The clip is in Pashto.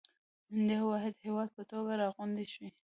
د يوه واحد هېواد په توګه راغونډ شئ.